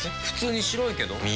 普通に白いけど。